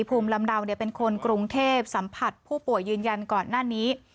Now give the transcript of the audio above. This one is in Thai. ภูมิลำเนาเป็นคนกรุงเทพสัมผัสผู้ป่วยยืนยันก่อนหน้านี้